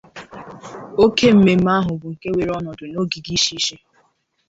Oke mmemme ahụ bụ nke weere ọnọdụ n'ogige Ishishi